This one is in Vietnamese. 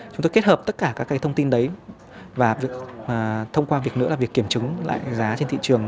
chúng tôi kết hợp tất cả các thông tin đấy và thông qua việc nữa là việc kiểm chứng lại giá trên thị trường